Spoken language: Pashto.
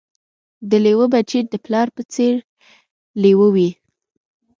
د لېوه بچی د پلار په څېر لېوه وي